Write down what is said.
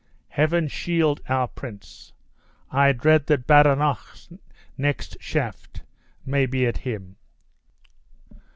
Heaven shield our prince! I dread that Badenoch's next shaft may be at him!"